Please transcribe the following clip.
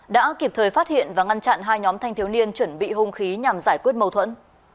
đã kịp thời phát hiện và ngăn chặn hai nhóm thanh thiếu niên chuẩn bị hung khí nhằm giải quyết mâu thuẫn